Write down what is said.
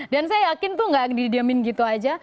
dan saya yakin tuh gak didiamin gitu aja